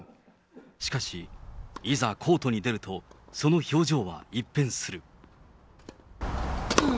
しかし、いざコートに出ると、その表情は一変する。